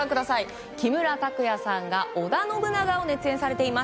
木村拓哉さんが織田信長を熱演されています。